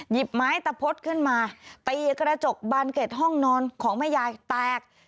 หยิบไม้ตะพดขึ้นมาตีกระจกบานเกร็ดห้องนอนของแม่ยายแตก